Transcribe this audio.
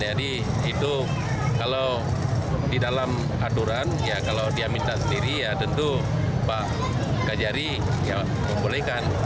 jadi itu kalau di dalam aturan ya kalau dia minta sendiri ya tentu pak gajari ya bolehkan